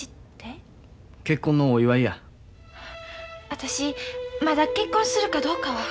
私まだ結婚するかどうかは。